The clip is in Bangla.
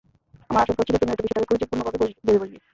আমার আশঙ্কা হচ্ছিল, তুই হয়তো বিষয়টাকে কুরুচিপূর্ণ ভেবে বসবি।